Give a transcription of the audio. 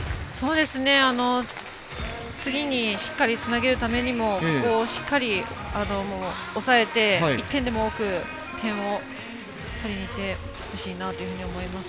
次にしっかりつなげるためにもしっかり、抑えて１点でも多く点を取りにいってほしいなと思います。